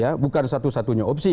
ya bukan satu satunya opsi